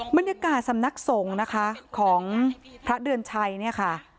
บรรยากาศสำนักสงฆ์นะคะของพระเดือนชัยเนี่ยค่ะ